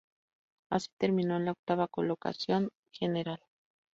Así, terminó en la octava colocación general.